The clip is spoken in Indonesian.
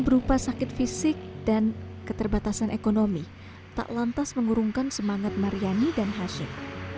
berupa sakit fisik dan keterbatasan ekonomi tak lantas mengurungkan semangat maryani dan hashim